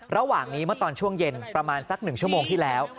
ระหว่างนี้เมื่อตอนช่วงเย็นประมาณสัก๑ชั่วโมงที่แล้ว